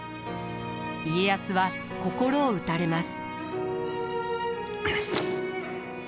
家康は心を打たれます。